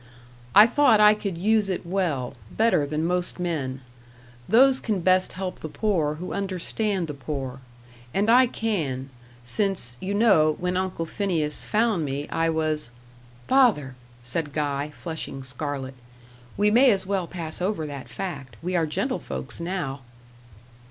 I thought I could use it well, better than most men; those can best help the poor who understand the poor. And I can; since, you know, when Uncle Phineas found me, I was " "Father," said Guy, flushing scarlet, "we may as well pass over that fact. We are gentlefolks now."